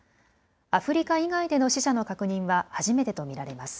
アフリカ以外での死者の確認は初めてと見られます。